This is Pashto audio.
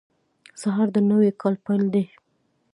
سهار د نوي کار پیل دی.